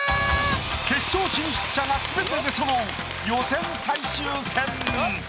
決勝進出者がすべて出そろう予選最終戦。